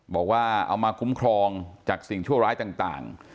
บอกว่าเอามาคุ้มครองจากสิ่งชั่วร้ายต่าง